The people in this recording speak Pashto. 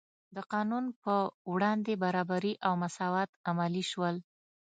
د قانون په وړاندې برابري او مساوات عملي شول.